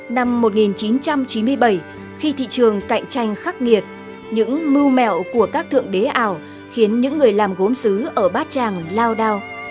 năm một nghìn chín trăm chín mươi bảy khi thị trường cạnh tranh khắc nghiệt những mưu mẹo của các thượng đế ảo khiến những người làm gốm xứ ở bát tràng lao đao